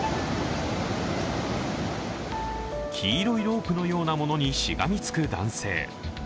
黄色いロープのようなものにしがみつく男性。